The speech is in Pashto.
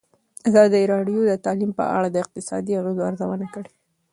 ازادي راډیو د تعلیم په اړه د اقتصادي اغېزو ارزونه کړې.